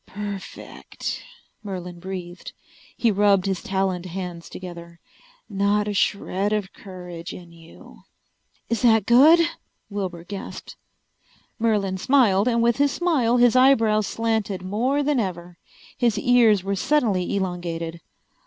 "Perfect," Merlin breathed. He rubbed his taloned hands together. "Not a shred of courage in you." "Is that good?" Wilbur gasped. Merlin smiled, and with his smile his eyebrows slanted more than ever. His ears were suddenly elongated.